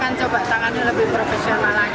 karena semuanya ini sangat mudah